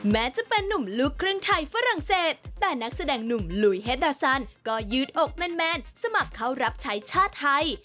แม้จะเป็นนุ่มลูกครึ่งไทยฝรั่งเศสแต่นักแสดงหนุ่มลุยเฮดดาซันก็ยืดอกแมนสมัครเข้ารับใช้ชาติไทย